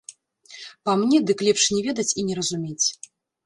Па мне, дык лепш не ведаць і не разумець.